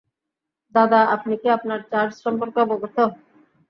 দাদা, আপনি কী আপনার চার্জ সম্পর্কে অবগত?